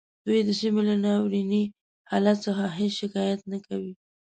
دوی د سیمې له ناوریني حالت څخه هیڅ شکایت نه کوي